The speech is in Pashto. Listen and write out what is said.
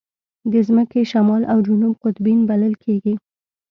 د ځمکې شمال او جنوب قطبین بلل کېږي.